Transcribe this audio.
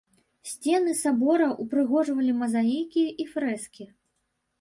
Сцены сабора ўпрыгожвалі мазаікі і фрэскі.